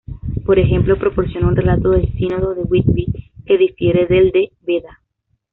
Por ejemplo, proporciona un relato del Sínodo de Whitby, que difiere del de Beda.